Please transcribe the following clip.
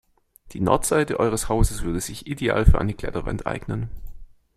Die Nordseite eures Hauses würde sich ideal für eine Kletterwand eignen.